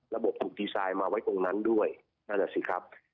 ระบบคุมดีไซน์มาไว้ตรงนั้นด้วยนั่นแหละสิครับ